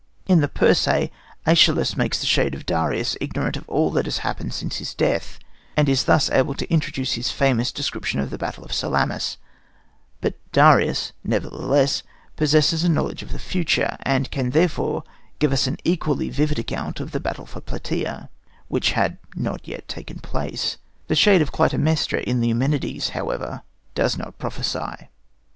In the Persæ, Æschylus makes the shade of Darius ignorant of all that has happened since his death, and is thus able to introduce his famous description of the battle of Salamis; but Darius, nevertheless, possesses a knowledge of the future, and can therefore give us an equally vivid account of the battle of Platæa, which had not yet taken place. The shade of Clytemnestra in the Eumenides, however, does not prophesy.